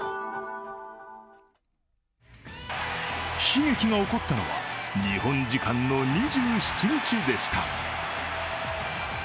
悲劇が起こったのは日本時間の２７日でした。